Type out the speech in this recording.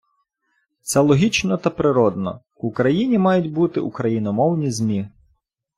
Це логічно та природно — в Україні мають бути україномовні ЗМІ.